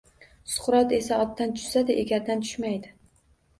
Suqrot esa otdan tushsa-da, egardan tushmaydi